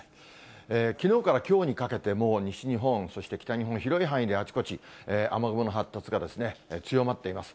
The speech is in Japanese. きのうからきょうにかけてもう西日本、そして北日本、広い範囲であちこち雨雲の発達が強まっています。